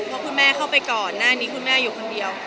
เพราะคุณแม่เข้าไปก่อนหน้านี้คุณแม่อยู่คนเดียว